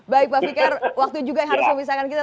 baik pak fikar waktu juga yang harus memisahkan kita